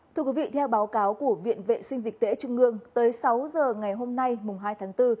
thưa quý vị theo báo cáo của viện vệ sinh dịch tễ trưng ngương tới sáu giờ ngày hôm nay hai tháng bốn